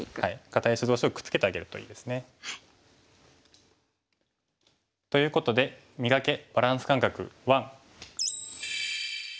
堅い石同士をくっつけてあげるといいですね。ということで「磨け！バランス感覚１」。